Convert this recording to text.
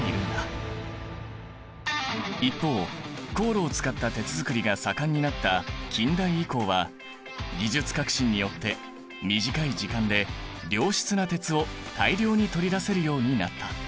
一方高炉を使った鉄づくりが盛んになった近代以降は技術革新によって短い時間で良質な鉄を大量に取り出せるようになった。